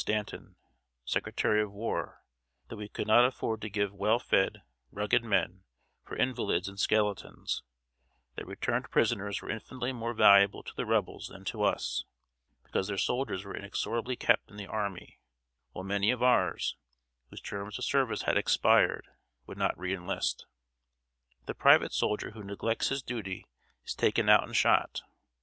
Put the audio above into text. Stanton, Secretary of War, that we could not afford to give well fed, rugged men, for invalids and skeletons that returned prisoners were infinitely more valuable to the Rebels than to us, because their soldiers were inexorably kept in the army, while many of ours, whose terms of service had expired, would not re enlist. The private soldier who neglects his duty is taken out and shot.